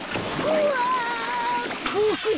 うわ！